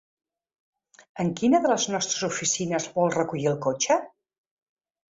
En quina de les nostres oficines vol recollir el cotxe?